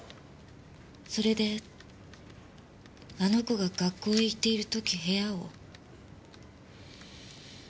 それであの子が学校へ行っている時部屋を。